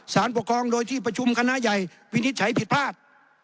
สารปกครองโดยที่ประชุมคณะใหญ่วินิจฉัยผิดพลาด